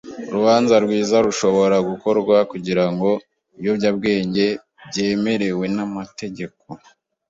Urubanza rwiza rushobora gukorwa kugirango ibiyobyabwenge byemewe n'amategeko.